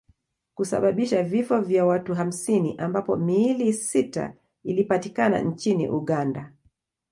kusababisha vifo vya watu hamsini ambapo miili sita ilipatikana nchini Uganda